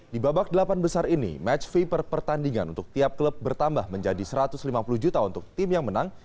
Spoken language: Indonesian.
di babak delapan besar ini match fee per pertandingan untuk tiap klub bertambah menjadi satu ratus lima puluh juta untuk tim yang menang